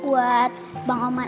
ibu ini ada yang mau dikawal